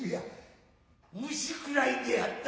虫食らいであった。